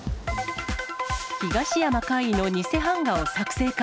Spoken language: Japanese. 東山魁夷の偽版画を作成か。